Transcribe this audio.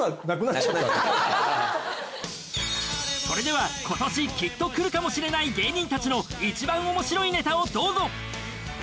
それでは今年きっとくるかもしれない芸人たちのいちばんおもしろいネタをどうぞ！